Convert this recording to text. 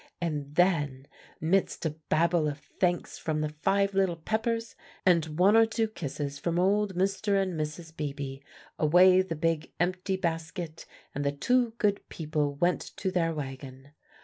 And then, midst a babel of thanks from the Five Little Peppers, and one or two kisses from old Mr. and Mrs. Beebe, away the big empty basket and the two good people went to their wagon.